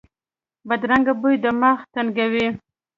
بدرنګه بوی دماغ تنګوي